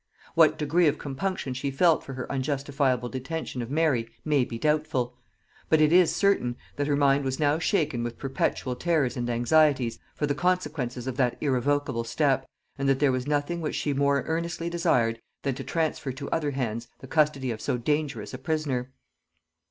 What degree of compunction she felt for her unjustifiable detention of Mary may be doubtful; but it is certain that her mind was now shaken with perpetual terrors and anxieties for the consequences of that irrevocable step, and that there was nothing which she more earnestly desired than to transfer to other hands the custody of so dangerous a prisoner.